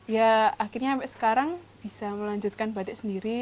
ya akhirnya sampai sekarang bisa melanjutkan batik sendiri